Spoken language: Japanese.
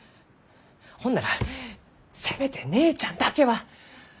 ほんならせめて姉ちゃんだけは。